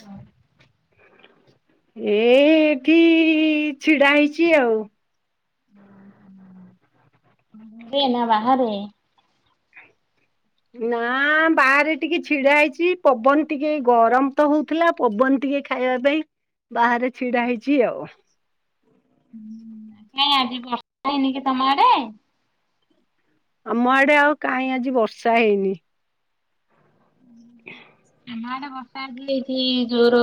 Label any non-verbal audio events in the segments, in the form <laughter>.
ହୁଁ। <inaudible> ଏ ଏଠି ଛିଡା ହେଇଛି ଆଉ। ଘରେ ନା ବାହାରେ? ନା ବାହାରେ ଟିକେ ଛିଡା ହେଇଛି ପବନ ଟିକେ ଗରମ ତ ହଉଥିଲା ପବନ ଟି ଟିକେ ଖାଇବା ପାଇଁ ବାହାରେ ଛିଡା ହେଇଛି ଆଉ। ହୁଁ, କାଇଁ ଆଜି ବର୍ଷା ହେଇନି କି ତମଆଡେ? ଆମ ଆଡେ ଆଉ କାହିଁ ଆଜି ବର୍ଷା ହେଇନି। ଆମ ଆଡେ ବର୍ଷା ଆଜି ହେଇଛି ଜୋର।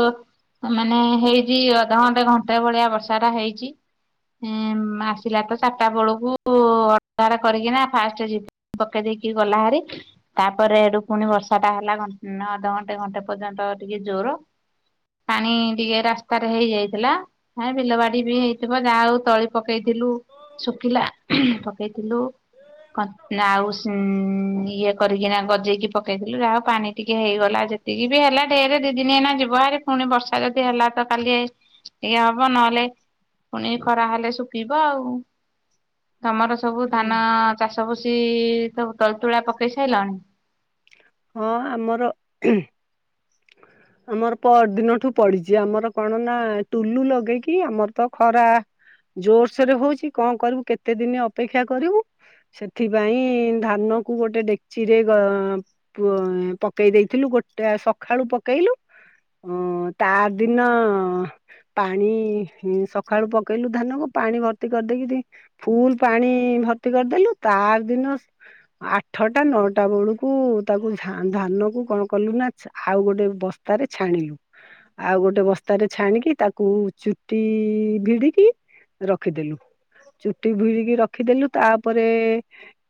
ମାନେ ହେଇଛି ଅଧଘଣ୍ଟେ ଘଣ୍ଟେ ଭଳିଆ ବର୍ଷା ଟା ହେଇଛି। ହଁ ଆସିଲା ତ ଚାରିଟା ବେଳକୁ ଅନ୍ଧାର କରିକିନା ଫାଷ୍ଟ ଝିପି ଝିପି ପକେଇ ଦେଇକି ଗଲାହାରି ତାପରେ ହେଠୁ ପୁଣି ବର୍ଷା ଟା ହେଲା ଅଧଘଣ୍ଟେ ଘଣ୍ଟେ ପର୍ଯ୍ୟନ୍ତ ଟିକେ ଜୋର। ପାଣି ଟିକେ ରାସ୍ତାରେ ହେଇଯାଇଥିଲା ବିଲ ବାଡି ବି ହେଇଥିବ ଯାହା ହଉ ତଳି ପକେଇଥିଲୁ ଶୁଖିଲା ପକେଇଥିଲୁ ଆଉ ଇଏ କରିକିନା ଗଜେଇକି ପ ପକେଇଥିଲୁ ଯାହେଉ ପାଣି ଟିକେ ହେଇଗଲା ଯେତିକି ବି ହେଲା ଡେରେ ଦିଇ ଦିନି ହେନା ଯିବ ଆି ପୁଣି ବର୍ଷା ଯଦି ହେଲା ତ କାଲି ଟିକେ ହବ ନହେଲେ ପୁଣି ଖରା ହେଲେ ଶୁଖିବ ଆଉ। ତମର ସବୁ ଧାନ ଚାଷ ପୁସି ସବୁ ତଳି ତୁଳା ପକେଇ ସାରିଲାଣି? ହଁ ଆମର ର ଆମର ପର ଦିନଠୁ ପଡିଛି ଆମର କଣ ନା ଟୁଲୁ ଲଗେଇକି ଆମର ତ ଖରା ଜୋରସୋରରେ ହଉଛି କଣ କରିବୁ କେତେ ଦିନ ଅପେକ୍ଷା କରିବୁ ସେଥିପାଇଁ ଧାନ କୁ ଗୋଟେ ଡେଚିରେଗ ଅଁ ପକେଇ ଦେଇଥିଲୁ ଗୋଟେ ସକାଳୁ ପକେଇଲୁ ଓ ତାର ଦିନ ପାଣି ସକାଳୁ ପକେଇଲୁ ଧାନ କୁ ପାଣି ଭର୍ତ୍ତି କରିଦେଇକି ରି ଫୁଲ ପାଣି ଭର୍ତ୍ତି କରିଦେଲୁ ତାର ଦିନ ଆଠ ଠଟା ନଅଟା ବେଳକୁ ତାକୁ ଧାନ କୁ କଣ କଲୁ ନା ଆଉ ଗୋଟେ ବସ୍ତାରେ ଛାଣିଲୁ। ଆଉ ଗୋଟେ ବସ୍ତାରେ ଛାଣିକି ତାକୁ ଚୁଟି ଭିଡିକି ରଖିଦେଲୁ। ଚୁଟି ଭିଡିକି ରଖିଦେଲୁ ତାପରେ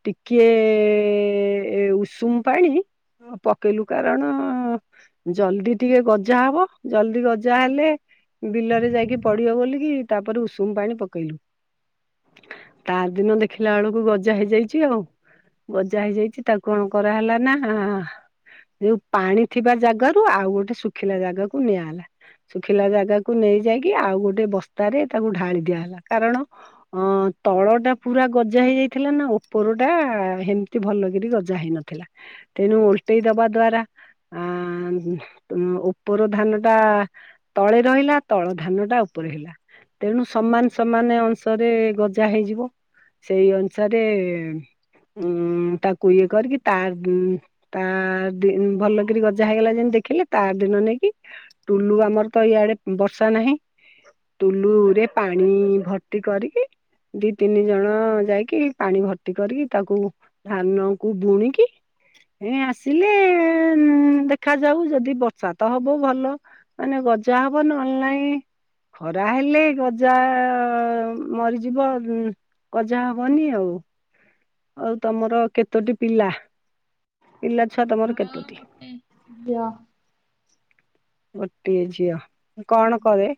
ଟିକେ ଏ ଏ ଉଷୁମ ପାଣି ପକେଇଲୁ କାରଣ ଜଲଦି ଟିକେ ଗଜା ହବ ଜଲଦି ଗଜା ହେଲେ ବିଲରେ ଯାଇକି ପଡିବ ବୋଲିକି ତାପରେ ଉଷୁମ ପାଣି ପକେଇଲୁ। ତାର ଦିନ ଦେଖିଲା ବେଳକୁ ଗଜା ହେଇଯାଇଛି ଆଉ। ଗଜା ହେଇଯାଇଛି ତାକୁ କଣ କରାହେଲା ନା ଆଃ ଯଉ ପାଣି ଥିବା ଜାଗାରୁ ଆଉ ଗୋଟେ ଶୁଖିଲା ଜାଗାକୁ ନିଆ ହେଲା ଶୁଖିଲା ଜାଗାକୁ ନେ ଇ ଯାଇକି ଆଉ ଗୋଟେ ବସ୍ତାରେ ତାକୁ ଢାଳି ଦିଆ ହେଲା କାରଣ ତଳ ଟା ପୁରା ଗ ଗଜା ହେଇଯାଇଥିଲା ନା ଉପର ଟା ହେମତି ଭଲକ ଗଜା ହେଇନଥିଲା। ତେଣୁ ଓଲଟେଇ ଦବା ଦ୍ଵାରା ଆ ଉପର ଧାନ ଟା ତଳେ ରହିଲା ତଳ ଧାନ ଟା ଉପରେ ହେଲା ତେଣୁ ସମାନ ସମାନ ଅଂଶରେ ଗ ଜା ହେଇଯିବ ସେଇ ଅନୁସାରେ ଉଁ ତାକୁ ଇଏ କରିକି ତା ଉ ତା ଦ ଭଲକିରି ଗଜା ହେଇଗଲା ଯେମତି ଦେଖିଲେ ତାର ଦିନ ନେଇକି ଟୁଲୁ ଆମର ତ ଇଆଡେ ବର୍ଷା ନାହିଁ ଟୁଲୁରେ ପାଣି ଭର୍ତ୍ତି କରିକି ଦି ତିନି ଜଣ ଯାଇକି ପାଣି ଭର୍ତ୍ତି କରିକି ତାକୁ ଧାନ କୁ ବୁଣିକି ହ ଏ ଆସିଲେ ଦେଖାଯାଉ ଯଦି ବର୍ଷା ତ ହବ ଭଲ ମାନେ ଗଜା ହବ ନହେଲେ ନାଇଁ ଖରା ହେଲେ ଗଜା ଆ ମରିଯିବ ଉଂ ଗଜା ହବନି ଆଉ ଆଉ ତମର କେତୋଟି ପିଲା ପିଲା ଛୁଆ ତମର କେତୋଟି? <unintelligible> ଗୋଟିଏ ଝିଅ। କଣ କରେ?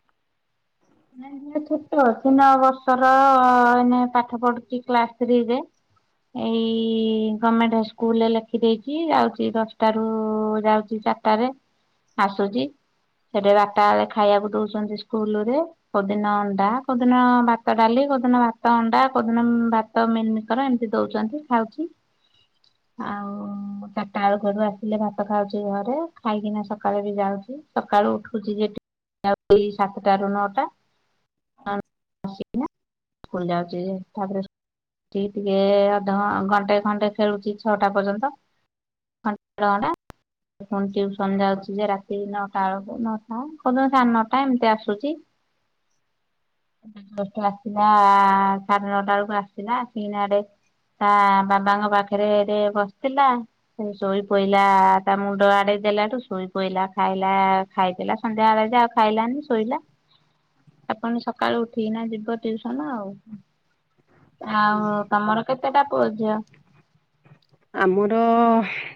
ନା ନା ଛୋଟ। ତିନି ବର୍ଷର ଏଇନା ପାଠ ପଢୁଛି କ୍ଲାସ ଥ୍ରୀରେ। ଏଇ ଗଣମେଣ୍ଟ ସ୍କୁଲରେ ଲେଖିଦେଇଛି ଯାଉଛି ଦଶଟାର ଯାଉଛି। ଚାରିଟାରେ ଆସୁଛି ସେଠି ବାରଟା ବେଳେ ଖାଇବାକୁ ଦଉଛନ୍ତି ସ୍କୁଲ ରେ କୋଉଦିନ ଅଣ୍ଡା କୋଉଦିନ ଭାତ, ଡାଲି, କୋଉଦିନ ଭାତ ଅଣ୍ଡା କୋଉ ଦିନ ଭାତ, ମିଲିମକର ଏମିତି ଦଉଛନ୍ତି ଖାଉଛି। ଆଉ ଚାରିଟା ବେଳୁ ଘରୁ ଆସିଲେ ଭାତ ଖାଉଛି ଘରେ ଖାଇକିନା ସକାଳେ ବି ଯାଉଛି। ସକାଳୁ ଉଠୁଛି ସେଠି ସାତଟାରୁ ନଅଟା। ଆସିକିନା ସ୍କୁଲ ଯାଉଛି ଯେ ତାପରେ ସେ ଟିକେ ଅଧ ଘଣ୍ଟେ ଘଣ୍ଟେ ଖେଳୁଛି ଛଅଟା ପର୍ଯ୍ୟନ୍ତ। ଟ ଘା ପୁଣି ଟିଉସନ ଯାଉଛି ଯେ ରାତି ନଅଟା ବେଳକୁ ନଅଟା। କୋଉ ଦିନ ସାଢେ଼ ନଅଟା ଏମତି ଆସୁଛି। ଆସିଲା ସାଢେ ନଅଟା ବେଳକୁ ଆସିଲା ଆସିକିନା ଇଆଡେ ତା ବାବାଙ୍କ ପାଖରେ ବସିଥିଲା ସେ ଶୋଇ ପୋଇଲା ତା ମୁଣ୍ଡ ଆଡେ ଦେଲାଠୁ ଶୋଇ ପଇଲା ଖାଇଲା ଖାଇଦେଲା ସନ୍ଧ୍ୟାଆଳେ ଯେ ଆଉ ଖାଇଲାନି ଶୋଇଲା ଆପଣ ସକାଳୁ ଉଠିକିନା ଯିବ ଟିଉସନ ଆଉ। ଆଉ ତମର କେତେ ଟା ପୁଅ ଝିଅ? ଆମର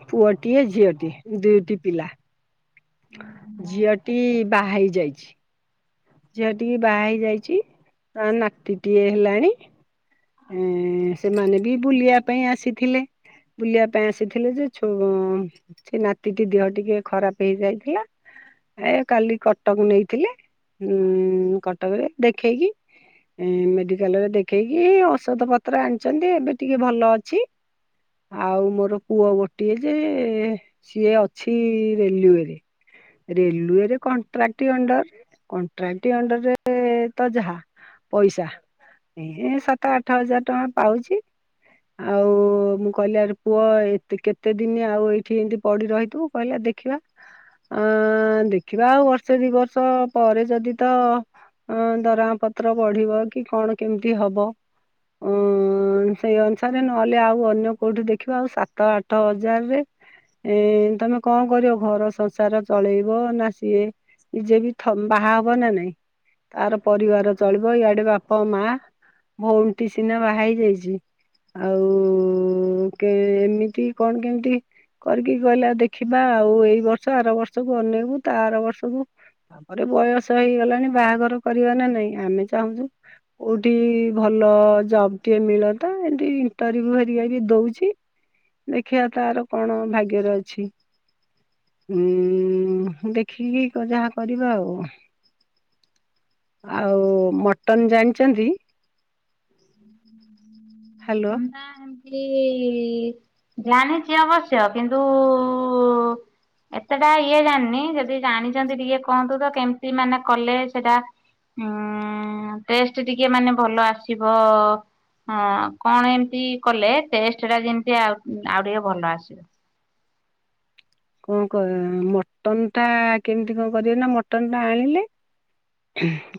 ପୁଅଟିଏ ଝିଅଟିଏ ଦୁଇଟି ପିଲା। ବାହାଘର ଝିଅଟି କରିଛ? ବାହା ହେଇ ଯାଇଛି। ଝିଅ ଟିକି ବାହା ହେଇଯାଇଛି ତ ନାତିଟିିଏ ହେଲାଣି। ଏ ସେମାନେ ବି ବୁଲିବା ପାଇଁ ଆସିଥିଲେ। ବୁଲିବା ପାଇଁ ଆସିଥିଲେ ଯେ ଛୁ-ସେ ନାତିଟି ଦେହ ଟିକେ ଖରାପ ହେଇଯାଇଥିଲା। ଏ କାଲି କଟକ ନେଇଥିଲେ ଉଁ କଟକରେ ଦେଖେଇକି ମେଡିକାଲ ରେ ଦେଖେଇକି ଔଷଧ ପତ୍ର ଆଣିଛନ୍ତି ଏବେ ଟିକେ ଭଲ ଅଛି। ଆଉ ମୋର ପୁଅ ଗୋଟିଏ ଯେ ସିଏ ଅଛି ରେଲୱେରେ। ରେଲୱେରେ କଣ୍ଟ୍ରାକ୍ଟି ଅଣ୍ଡର କଣ୍ଟ୍ରାକ୍ଟି ଅଣ୍ଡରରେ ତ ଯାହା ପଇସା ଏ ସାତ ଆଠ ହଜାର ଟଙ୍କା ପାଉଛି। ଆଉ ମୁଁ କହିଲି ଆରେ ପୁଅ ଏ କେତେ ଦିନ ଆଉ ଏଇଠି ଏମିତି ପଡି ରହିଥିବୁ କହିଲା ଦେଖିବା। ଅ ଦେଖିବା ଆଉ ବର୍ଷେ ଦି ବର୍ଷ ପରେ ଯଦି ତ ଅ ଦରମା ପ ପତ୍ର ବଢିବ କି କଣ କେମିତି ହବ? <inaudible> ହ ସେଇ ଅନୁସାରେ ନହେଲେ ଆଉ ଅନ୍ୟ କୋଉଠି ଦେଖିବା ଆଉ ସାତ ଆଠ ହଜାରରେ ଏ ତମେ କଣ କରିବ ଘର ସଂସାର ଚଳେଇବ ନା ସିଏ ନିଜେ ବି ବାହା ହବ ନା ନାଇଁ। ତାର ପରିବାର ଚଳିବ ଇଆଡେ ବାପ, ମା ଭଉଣୀଟି ସିନା ବାହା ହେଇଯାଇଛି। ଆଉ କେମିତି କଣ କେମିତି? କରିକି କହିଲେ ଦେଖିବା ଆଉ ଏଇ ବର୍ଷ ଆର ବର୍ଷକୁ ଅନେଇବୁ ତା ଆର ବର୍ଷକୁ ତାପରେ ବୟସ ହେଇଗଲାଣି ବାହାଘର କରିବା ନା ନାଇଁ ଆମେ ଚାହୁଁଛୁ କୋଉଠି ଭଲ ଜବ ଟିଏ ମିଳନ୍ତା ଏମତି ଇଣ୍ଟରଭ୍ୟୁ ହେରିକା ବି ଦଉଛି। ଦେଖିବା ତାର କଣ ଭାଗ୍ୟରେ ଅଛି? ହୁଁ ଦେଖିକି ଯାହା କରିବା ଆଉ। ଆଉ ମଟନ ଜାଣିଛନ୍ତି? ହ୍ୟାଲୋ ମଟନଟା ଏମତି ଜାଣିଛି ଅବଶ୍ୟ କିନ୍ତୁ ଏତେଟା ଇଏ ଜାଣିନି ଯଦି ଜାଣିଛନ୍ତି ଟିକେ କୁହନ୍ତୁ ତ କେମିତି ମାନେ କଲେ ସେଟା ହଁ ଟେଷ୍ଟ ଟିକେ ମାନେ ଭଲ ଆସିବ। ହଁ କଣ ଏମିତି କଲେ ଟେଷ୍ଟ ଟା ଯେମିତି ଆଉ ଆଉ ଟିକେ ଭଲ ଆସିବ? କଣ କ ମଟନ୍ ଟା କେମିତି କଣ କରିବେ ନା ମଟନ୍ ଟା ଆଣିଲେ।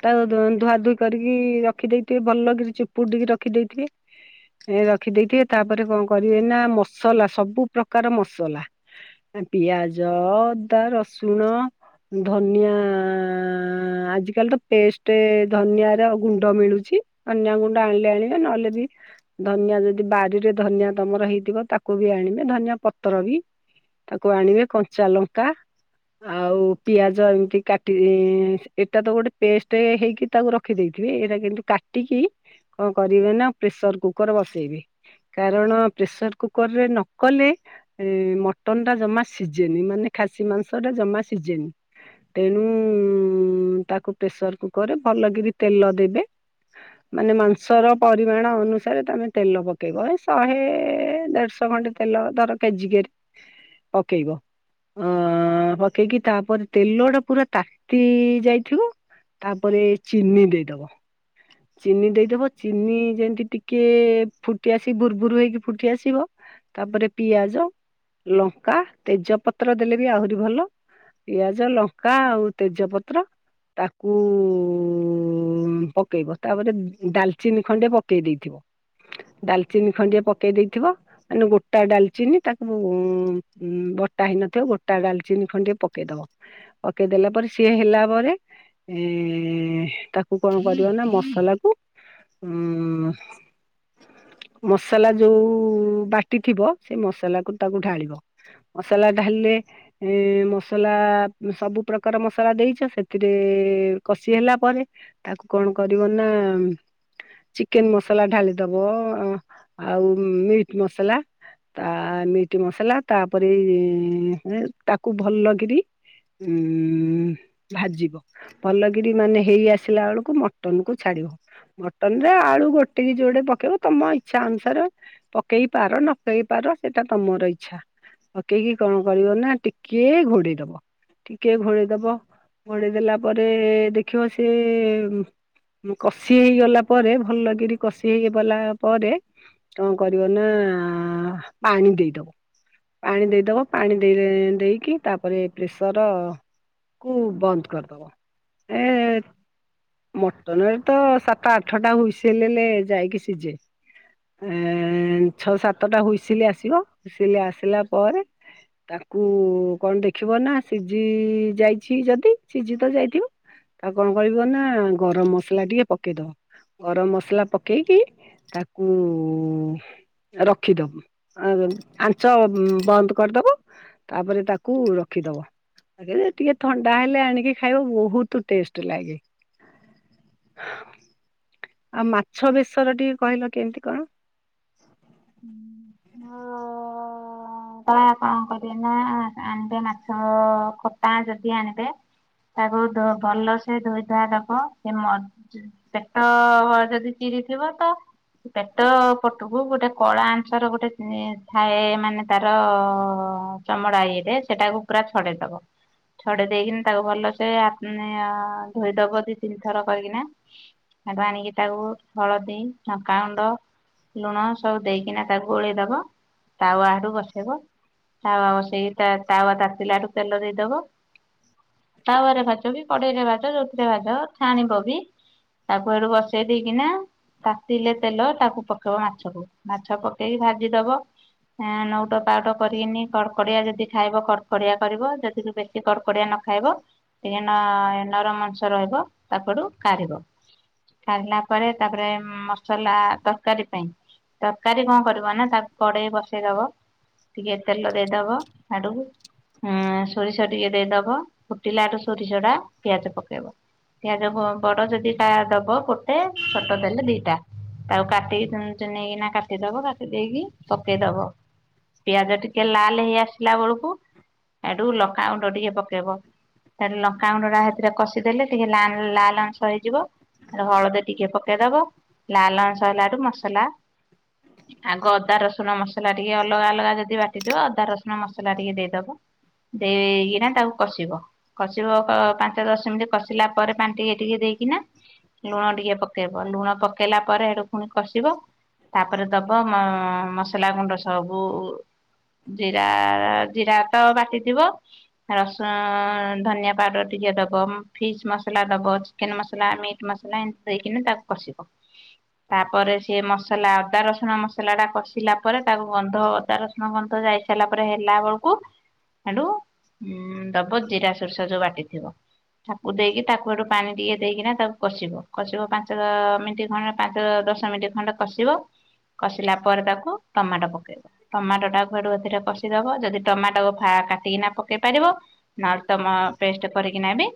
ତାକୁ ଦୁ-ଧୁଆ ଧୁଇ କରିକି ରଖି ଦେଇଥିବେ। ଭଲ କିରି ଚୁପୁଡିକି ରଖି ଦେଇଥିବେ। ଏ ରଖିଦେଇଥିବେ ତାପରେ କଣ କରିବେ ନା ମସଲା ସବୁ ପ୍ରକାର ମସଲା। ଏ ପିଆଜ, ଅଦା, ରସୁଣ ଧନିଆ ଆଜିକାଲି ତ ପେଷ୍ଟ ଧନିଆ ର ଗୁଣ୍ଡ ମିଳୁଛି। ଚି, ଅନ୍ୟ ଗୁଣ୍ଡ ଆଣିଲେ ଆଣିବେ ନହେଲେ ବି ଧନିଆ ଯଦି ବାଡିରେ ଧନିଆ ତୋମର ହେଇଥିବ ତାକୁ ବି ଆଣିବେ ଧନିଆ ପତ୍ର ବି। <inaudible> ତାକୁ ଆଣିବେ, କଞ୍ଚା ଲଙ୍କା ଆଉ ପିଆଜ ଏମିତି କାଟି ଏଁ, ଏଟା ତ ଗୋଟେ ପେଷ୍ଟ ହେଇକି ତାକୁ ରଖିଦେଇ ଥିବେ ଏଇଟା କିନ୍ତୁ କାଟିକି କଣ କରିବେ ନା ପ୍ରେସର କୁକର୍ ବସେଇବେ। କାରଣ ପ୍ରେସର କୁକର୍ ରେ ନ କଲେ ଏ ମଟନ୍ ଟା ଜମା ସିଜେନି, ମାନେ ଖାସି ମାଂସ ଟା ଜମା ସିଜେନି। ତେଣୁ ତାକୁ ପ୍ରେସର କୁକର୍ ରେ ଭଲକରି ତେଲ ଦେବେ। ମାନେ ମାଂସର ପରିମାଣ ଅନୁସାରେ ତୋମେ ତେଲ ପକେଇବ। ଏ ଶହେ ଦେଢଶହ ଖଣ୍ଡେ ତେଲ ଧର କେଜିିକେର ପକେଇବ। ଅ, ପକେଇକି ତାପରେ ତେଲ ଟା ପୁରା ତାତି ଯାଇଥିବ ତାପରେ ଚିନି ଦେଇଦବ। ଚିନି ଦେଇଦବ, ଚିନି ଯେମିତି ଟିକେ ଫୁଟି ଆସି ଭୁରଭୁର ହେଇକି ଫୁଟି ଆସିବ ତାପରେ ପିଆଜ, ଲଙ୍କା, ତେଜପତ୍ର ଦେଲେ ବି ଆହୁରି ଭଲ। ପିଆଜ, ଲଙ୍କା ଆଉ ତେଜପତ୍ର ତାକୁ ଉ, ଉଁ, ପକେଇବ। ତାପରେ ଡାଲଚିନି ଖଣ୍ଡେ ପକେଇ ଦେଇଥିବ। ଡାଲଚିନି ଖଣ୍ଡିଏ ପକେଇ ଦେଇଥିବ। ମାନେ ଗୋଟା ଡାଲଚିନି ତାକୁ ଉଁ, ଉଁ, ବଟା ହେଇନଥିବ ଗୋଟା ଡାଲଚିନି ଖଣ୍ଡିଏ ପକେଇଦବ। ପକେଇଦଲା ପରେ ସିଏ ହେଲା ପରେ ଏ, ତାକୁ କଣ କରିବ ନା ମସଲା କୁ ଉଁ, ମସଲା ଯୋଉ ବାଟି ଥିବ ସେ ମସଲାକୁ ତାକୁ ଢାଳିବ ମସଲା ଢାଳିଲେ ଏଁ, ମସଲା ସବୁ ପ୍ରକାର ମସଲା ଦେଇଛ, ସେଥିରେ କଷି ହେଲା ପରେ ତାକୁ କଣ କରିବ ନା ଚିକେନ୍ ମସଲା ଢାଳି ଦବ ଅ, ଆଉ ମିଟ୍ ମସଲା। ତା ମିଟ୍ ମସଲା ତାପରେ ଏ ତାକୁ ଭଲ କିରି ଉଁ, ଭାଜିବ ଭଲକିରି ମାନେ ହେଇ ଆସିଲା ବେଳକୁ ମଟନ୍ କୁ ଛାଡି ଦେବ, ମଟନ୍ ରେ ଆଳୁ ଗୋଟେକି ଯୋଡେ ପକେଇବ ତୋମ ଇଚ୍ଛା ଅନୁସାରେ ପକେଇ ପାର ନ ପକେଇ ପାର ସେଟା ତମର ଇଚ୍ଛା। ପକେଇକି କଣ କରିବ ନା ଟିକେ ଘୋଡେଇ ଦବ। ଟିକେ ଘୋଡେଇ ଦବ। ଘୋଡେଇ ଦେଲା ପରେ ଦେଖିବ ସେ ଉଁ, ମୁ କଷି ହେଇଗଲା ପରେ ଭଲକିରି କଷି ହେଇକି ବଲା ପରେ କଣ କରିବ ନା ପାଣି ଦେଇଦବ, ପାଣି ଦେଇଦବ ପାଣି ଦେଇ ଦେଇକି ତାପରେ ପ୍ରେସର କୁ ବନ୍ଦ କରିଦବ। ଏ ମଟନ୍ ରେ ତ ସାତ ଆଠଟା ହୁଇସିଲି ହେଲେ ଯାଇକି ସିଜେ। ଏଁ, ଛଅ ସାତଟା ହୁଇସିଲି ଆସିବ, ହୁଇସିଲି ଆସିଲା ପରେ ତାକୁ କଣ ଦେଖିବ ନା ସିଜିି ଯାଇଛି ଯଦି ସିଜି ତ ଯାଇଥିବ। ତାକୁ କଣ କରିବ ନା ଗରମ ମସଲା ଟିକେ ପକେଇଦବ। ଗରମ ମସଲା ପକେଇକି ତାକୁ ରଖିଦବ ଆ, ଆଞ୍ଚ ଉଁ, ବନ୍ଦ କରିଦବ। ତାପରେ ତାକୁ ରଖିଦବ। ରଖିଦେ, ଟିକେ ଥଣ୍ଡା ହେଲେ ଆଣିକି ଖାଇବ ବହୁତ ଟେଷ୍ଟ ଲାଗେ। ହଁ। ଆଉ ମାଛ ବେଶର ଟିକେ କହିଲ କେମିତି କଣ? ହୁଁ ଓ ତ କଣ କରିବେ ନା ଆଣିବେ ମାଛ ଖଟା ଯଦି ଆଣିବେ? ତାକୁ ଭ ଭଲସେ ଧୋଇ ଧୁଆ ଦବ। ସେ ମ ପେଟ ଯଦି ଚି ହେଇଥିବ ତ ପେଟ ପଟୁକୁ ଗୋଟେ କଳା ଆଂଞ୍ଚର ଗୋଟେ ଥାଏ ମାନେ ତାର ଚମଡ଼ା ଇଏରେ ସେଟାକୁ ପୁ ଛଡ଼େଇ ଦବ। ଛଡେଇ ଦେଇକିନି ତାକୁ ଭଲସେ ଅଁ ଧୋଇଦବ ଦି ତିନିଥର କରିକିନା। ତାକୁୁ ଆଣିକି ତାକୁ ହଳଦୀ ନକା ଗୁଣ୍ଡ ଲୁଣ ସବୁ ଦେଇକିନା ତାକୁ ଗୋଳେଇଦବ ତାୱା ହେଟୁ ବସେଇବ। ତାୱା ବସେଇକି ତାୱା ତାୱା ତାତିଲାଠୁ ତେଲ ଦେଇଦବ। ତାୱରେ ଭାଜ ବି କଡେଇରେ ଭାଜ ଯୋଉଥିରେ ଭାଜ ଛାଣିବ ବି? ତାକୁ ଏଠୁ ବସେଇ ଦେଇକିନା ତାତିଲେ ତେଲ ତାକୁ ପକେଇବ ମାଛକୁ। ମାଛ ପକେଇକି ଭାଜି ଦବ। ଉଁ ନଉଟ ପାଉଟ କରିକିନି କଡ଼କଡିଆ ଯଦି ଖାଇବ କଡ଼କଡିଆ କରିବ। ଯଦି ବେଶୀ କଡ଼କଡିଆ ନ ଖାଇବ ଟିକେ ନ ନରମ ଅଂଶ ରହିବ। ତାପଠୁ କାଢିବ। କାଢିଲା ପରେ ତାପରେ ମସଲା ତରକାରୀ ପାଇଁ। ତରକାରୀ କଣ କରିବ ନା ତାକୁ କଡେଇ ବସେଇଦବ। ଟିକେ ତେଲ ଦେଇଦବ ଆଡକୁ। ହଁ ସୋରିଷ ଟିକେ ଦେଇଦବ ଫୁଟିଲାଠୁ ସୋରିଷ ଟା ପିଆଜ ପକେଇବ। ପିଆଜ ବଡ ଯଦି ଟା ଦବ ଗୋଟେ ଛୋଟ ଦେଲେ ଦିଟା। ଆଉ କାଟିିକି ଚୁନେଇକି ନା କାଟିଦବ କାଟି ଦେଇେଇକି ପକେଇଦବ। ପିଆଜ ଟିକେ ଲାଲ ହେଇ ଆସିଲା ବେଳକୁ ହେଟୁ ଲକାଗୁଣ୍ଡ ଟିକେ ପକେଇବ। ଥିରେ ଲଙ୍କାଗୁଣ୍ଡ ଟା ସେଥିରେ କଷିଦେଲେ ଟିକେ ଲାଲ ଲାଲ ଅଂଶ ହେଇଯିବ। ହେଟୁ ହଳଦୀ ଟିକେ ପକେଇଦବ ଲାଲ ଅଂଶ ହେଲାଠୁ ମସଲା ଆଗ ଅଦା ରସୁଣ ମସଲା ଟିକେ ଅଲଗା ଅଲଗା ଯଦି ବାଟିଥିବ ଅଦା ରସୁଣ ମସଲା ଟିକେ ଦେଇଦବ। ଦେଇକିନା ତାକୁ କଷିବ କଷିବ ପାଞ୍ଚ ଦଶ ମିନିଟ୍ କଷିଲା ପରେ ପାଣି ଟିକେ ଟିକେ ଦେଇ କିନା ଲୁଣ ଟିକେ ପକେଇବ ଲୁଣ ପକେଇଲା ପରେ ହେଟୁ ପୁଣି କଷିବ। ତାପରେ ଦବ ମସଲା ଗୁଣ୍ଡ ସବୁ ଜିରା ଜିରା ତ ବାଟିଥିବ ରସୁଣ ଧନିଆ ପାଉଡର ଟି ଇଏ ଦବ ଫିସ୍ ମସଲା ଦବ ଚିକେନ ମସଲା ମିଟ୍ ମସଲା ଏମିତି ଦେଇକିନି ତାକୁ କସିବ। ତାପରେ ସିଏ ମସ ମସଲା ଅଦା ରସୁଣ ମସଲାଟା କଷିଲା ପରେ। ତାକୁ ଗନ୍ଧ ଅଦା ରସୁଣ ଗନ୍ଧ ଯାଇ ସାରିଲା ପରେ ହେଲା ବେଳକୁ। କୁ ହେଟୁ ଦବ ଜିରା ସୋରିଷା ଯୋଉ ବାଟିଥିବ। ତାକୁ ଦେଇକି ତାକୁ ଏଠୁ ପାଣି ଟିକେ ଦେଇକିନା ତାକୁ କଷିବ କଷିବ ପାଞ୍ଚ ମିନିଟ୍ ଖଣ୍ଡେ। ପାଞ୍ଚ ଦଶ ମିିନଟ ଖଣ୍ଡେ କଷିବ। କଷିଲା ପରେ ତାକୁ ଟମାଟୋ ପକେଇବ ଟମାଟୋଟାକୁ ହେଟୁ ଏଥିରେ କଷିଦବ। ଯଦି ଟମାଟୋ ଫା କାଟିକି ନା ପକେଇ ପାରିବ। ନହେଲେ ତମ ପେଷ୍ଟ କରିକିନା ବି